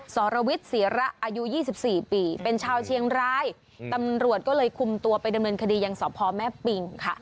สรวิทย์ศีระอายุ๒๔ปีเป็นชาวเชียงรายตำรวจก็เลยคุมตัวไปดำเนินคดียังสพแม่ปิงค่ะ